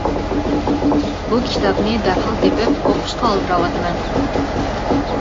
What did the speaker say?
بۇ كىتابنى دەرھال تېپىپ ئوقۇشقا ئالدىراۋاتىمەن.